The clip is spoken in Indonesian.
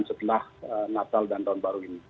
di benah natal dan tahun baru ini